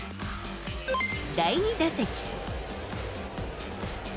第２打席。